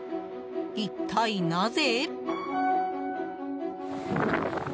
一体なぜ？